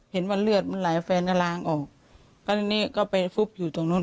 เห็นว่าเลือดมันหลายว่าแฟนก็ล้างออกตอนนี้ก็เป็นฟุบอยู่ตรงนู้น